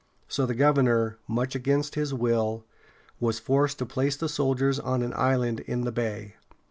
So the governor, much against his will, was forced to place the soldiers on an island in the bay.